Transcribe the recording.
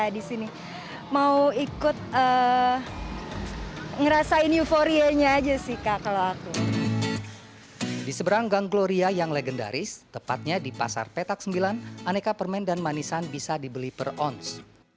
di seberang gang gloria yang legendaris tepatnya di pasar petak sembilan aneka permen dan manisan bisa dibeli per ons